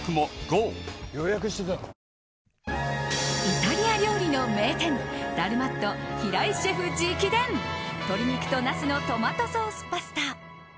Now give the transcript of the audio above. イタリア料理の名店ダルマット平井シェフ直伝鶏肉とナスのトマトソースパスタ。